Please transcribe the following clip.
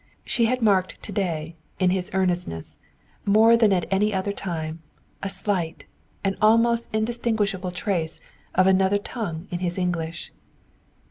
She had marked to day in his earnestness, more than at any other time, a slight, an almost indistinguishable trace of another tongue in his English.